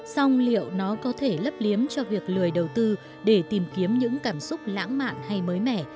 xong liệu nó có thể lấp liếm cho việc lười đầu tư để tìm kiếm những cảm xúc lãng mạn hay mới mẻ